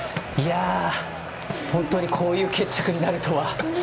本当にこういう決着になるとは。